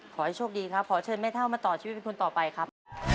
ขอให้โชคดีครับขอเชิญแม่เท่ามาต่อชีวิตเป็นคนต่อไปครับ